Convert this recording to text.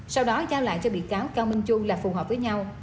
sau đó trao lại cho bị cáo cao minh chu là phù hợp với nhau